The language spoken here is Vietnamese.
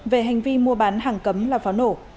về hành vi mua bán hàng cấm là pháo nổ